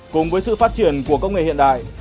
cùng với sự phát triển của công nghệ hiện đại